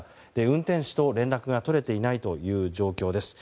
運転手と連絡がとれていない状況です。